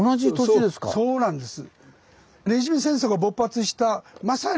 そうなんです。